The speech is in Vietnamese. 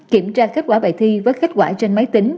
kiểm tra kết quả bài thi với kết quả trên máy tính